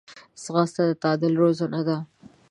ځغاسته د تعادل روزنه ده